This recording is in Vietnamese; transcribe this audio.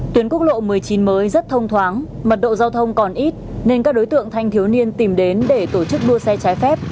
tuyến quốc lộ một mươi chín mới rất thông thoáng mật độ giao thông còn ít nên các đối tượng thanh thiếu niên tìm đến để tổ chức đua xe trái phép